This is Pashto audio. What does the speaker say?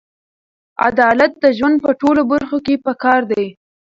عدالت د ژوند په ټولو برخو کې پکار دی.